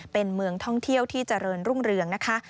เป็นเมืองท่องเที่ยวที่เจริญรุ่งเรืองนะคะ